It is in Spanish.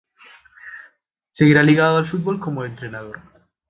Seguirá ligado al fútbol como entrenador.